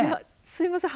すいません。